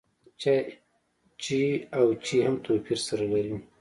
چې او چي هم توپير سره لري.